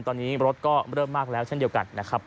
ตอนนี้รถก็เริ่มมากแล้วเช่นเดียวกันนะครับ